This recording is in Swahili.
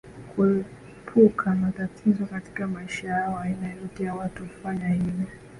kuepuka matatizo katika maisha yao Aina yote ya watu hufanya hivyo